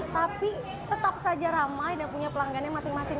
tapi tetap saja ramai dan punya pelanggannya masing masing